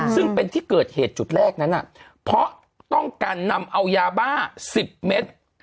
ซึ่งเป็นที่เกิดเหตุจุดแรกนั้นเพราะต้องการนำเอายาบ้า๑๐เมตร